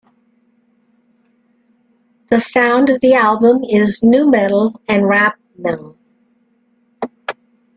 The sound of the album is nu metal and rap metal.